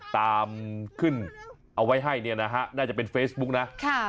ตามขึ้นเอาไว้ให้เนี่ยนะฮะน่าจะเป็นเฟซบุ๊กนะ